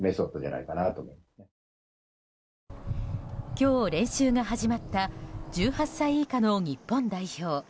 今日、練習が始まった１８歳以下の日本代表。